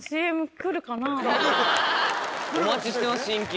お待ちしてます新規。